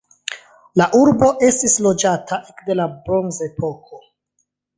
La urbo estis loĝata ekde la bronzepoko.